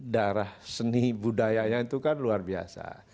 darah seni budayanya itu kan luar biasa